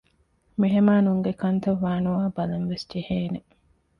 މެހެމާނުންގެ ކަންތައް ވާނުވާ ބަލަންވެސް ޖެހޭނެ